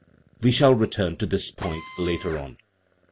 We shall re turn to this point later on.